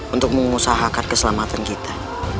untuk mengusahakan keselamatan kita